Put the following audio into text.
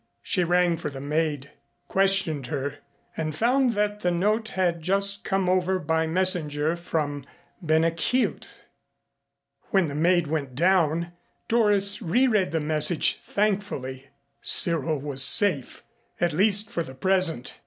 She rang for the maid, questioned her, and found that the note had just come over by messenger from Ben a Chielt. When the maid went down, Doris re read the message thankfully. Cyril was safe at least for the present.